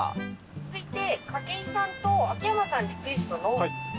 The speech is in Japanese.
続いて。